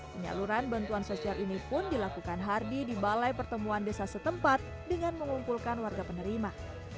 penyaluran bantuan sosial ini pun dilakukan hardy di balai pertemuan desa setempat dengan mengumpulkan warga penerima